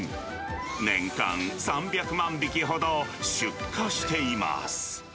年間３００万匹ほど出荷しています。